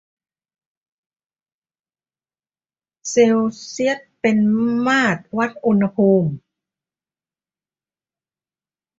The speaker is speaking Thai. เซลเซียสเป็นมาตรวัดอุณหภูมิ